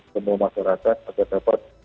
semua masyarakat agar dapat